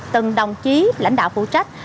từng đồng chí lãnh đạo phụ trách